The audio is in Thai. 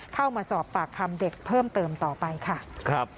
เข้ามาสอบปากคำเด็กเพิ่มเติมต่อไปค่ะ